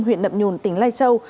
huyện nậm nhùn tỉnh lai châu